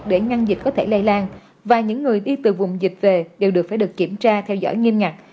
để ngăn dịch có thể lây lan và những người đi từ vùng dịch về đều được phải được kiểm tra theo dõi nghiêm ngặt